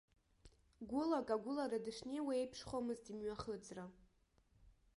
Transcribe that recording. Гәылак агәылара дышнеиуа еиԥшхомызт имҩахыҵра.